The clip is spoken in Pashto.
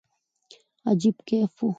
عجيب کيف وو.